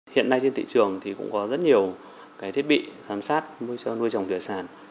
hiện nay trên thị trường cũng có rất nhiều thiết bị giám sát nuôi trồng tiểu sản